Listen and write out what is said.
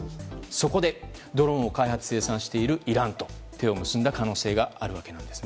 そこでドローンを開発・生産しているイランと手を結んだということです。